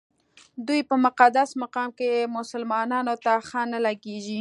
دوی په مقدس مقام کې مسلمانانو ته ښه نه لګېږي.